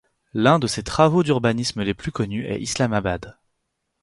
L'un de ses travaux d'urbanisme les plus connus est Islamabad.